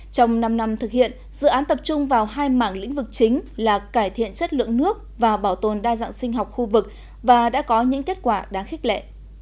trong năm năm thực hiện dự án tập trung vào hai mảng lĩnh vực chính là cải thiện chất lượng nước và bảo tồn đa dạng sinh học khu vực và đã có những kết quả đáng khích lệ